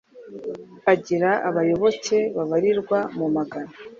agira abayoboke babarirwa mu magana